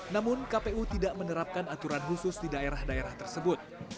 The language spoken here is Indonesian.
namun kpu tidak menerapkan aturan khusus di daerah daerah tersebut